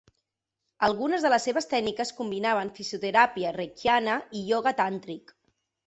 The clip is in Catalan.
Algunes de les seves tècniques combinaven fisioteràpia reichiana i ioga tàntric.